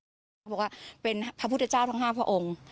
เขาบอกว่าเป็นพระพุทธเจ้าทั้ง๕พระองค์